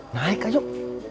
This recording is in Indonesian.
naik aja yuk